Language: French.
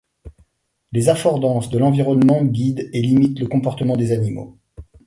Les affordances de l'environnement guident et limitent le comportement des animaux.